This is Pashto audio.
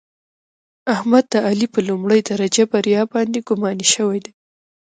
احمد د علي په لومړۍ درجه بریا باندې ګماني شوی دی.